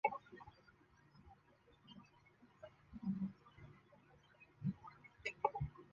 肖特维尔是一个位于美国阿拉巴马州亨利县的非建制地区。